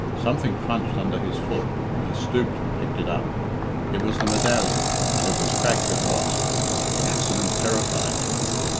Something crunched under his foot, and he stooped and picked it up. It was the medallion, and it was cracked across. The accident terrified him.